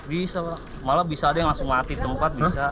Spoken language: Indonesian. bisa malah bisa ada yang langsung mati tempat bisa